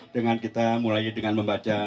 dengan kita mulai dengan membaca